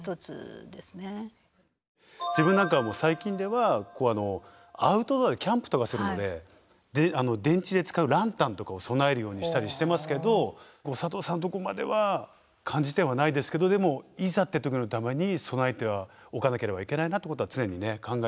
自分なんかはもう最近ではアウトドアでキャンプとかするので電池で使うランタンとかを備えるようにしたりしてますけど佐藤さんとこまでは感じてはないですけどでもいざっていう時のために備えてはおかなければいけないなってことは常に考えてはいますけどね。